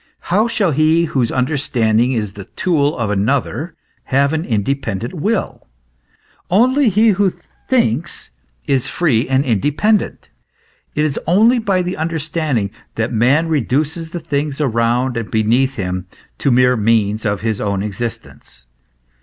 How shall he whose understanding is the tool of another, have an independent will ? Only he who thinks, is free and independent. It is only by the understanding that man reduces the things around and beneath him to mere means of his own existence.